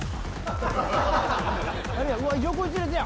横一列や。